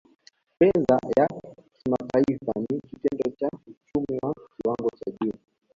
Fedha ya kimataifa ni kitengo cha uchumi wa kiwango cha juu